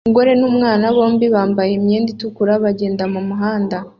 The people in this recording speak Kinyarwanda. umugore numwana bombi bambaye imyenda itukura bagenda mumuhanda